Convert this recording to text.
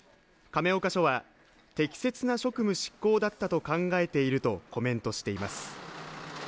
亀岡署は適切な職務執行だったと考えているとコメントしています。